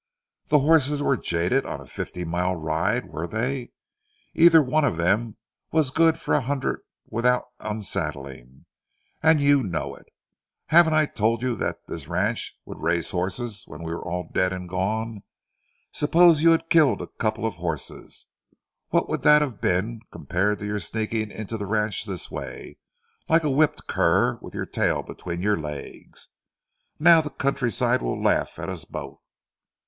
The horses were jaded on a fifty mile ride, were they? Either one of them was good for a hundred without unsaddling, and you know it. Haven't I told you that this ranch would raise horses when we were all dead and gone? Suppose you had killed a couple of horses? What would that have been, compared to your sneaking into the ranch this way, like a whipped cur with your tail between your legs? Now, the countryside will laugh at us both."